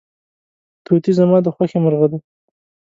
توتي زما د خوښې مرغه دی.